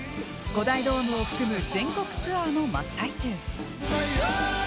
５大ドームを含む全国ツアーの真っ最中。